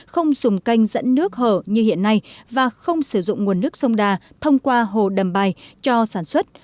không dùng canh dẫn nước hở như hiện nay và không sử dụng nguồn nước sông đà thông qua hồ đầm bài cho sản xuất